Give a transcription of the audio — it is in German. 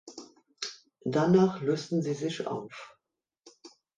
Danach lösten sie sich auf.